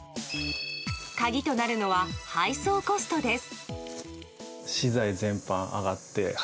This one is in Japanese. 鍵となるのは配送コストです。